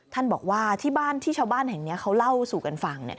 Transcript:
ท่านบอกว่าที่บ้านที่ชาวบ้านแห่งนี้เขาเล่าสู่กันฟัง